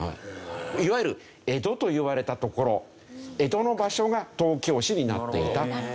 いわゆる江戸といわれた所江戸の場所が東京市になっていたという事なんですね。